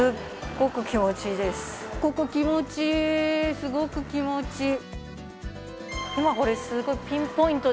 すごく気持ちいい。